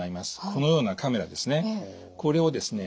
このようなカメラですね。